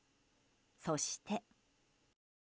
そして。